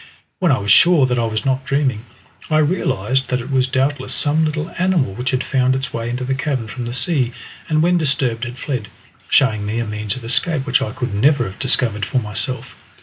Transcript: When I was sure that I was not dreaming, I realised that it was doubtless some little animal which had found its way into the cavern from the sea, and when disturbed had fled, showing me a means of escape which I could never have discovered for myself.